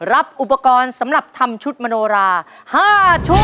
รับอุปกรณ์สำหรับทำชุดมโนรา๕ชุด